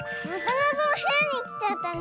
なぞのへやにきちゃったね。